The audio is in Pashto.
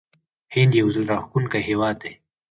هند یو زړه راښکونکی هیواد دی.